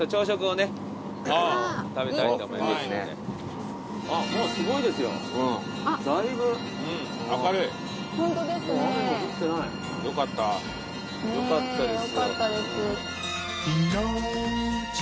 ねぇよかったです。